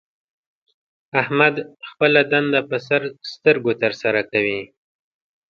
احمد خپله دنده په سر سترګو تر سره کوي.